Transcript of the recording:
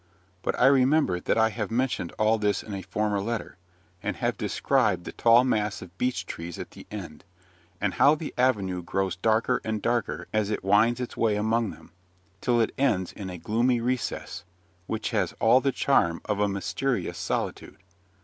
But I remember that I have mentioned all this in a former letter, and have described the tall mass of beech trees at the end, and how the avenue grows darker and darker as it winds its way among them, till it ends in a gloomy recess, which has all the charm of a mysterious solitude.